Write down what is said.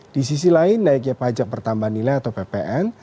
di sisi lain naiknya pajak pertambahan nilai atau ppn